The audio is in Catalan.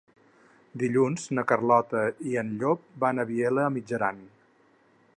Dilluns na Carlota i en Llop van a Vielha e Mijaran.